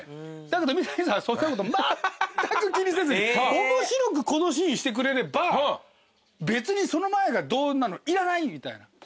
だけど三谷さんはそんなことまったく気にせずに面白くこのシーンしてくれれば別にその前がどうなのいらないみたいな。